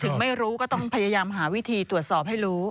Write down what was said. ไม่รู้ก็ต้องพยายามหาวิธีตรวจสอบให้รู้